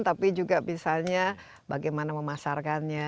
tapi juga misalnya bagaimana memasarkannya